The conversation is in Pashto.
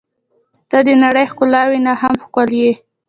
• ته د نړۍ ښکلاوې نه هم ښکلا لرې.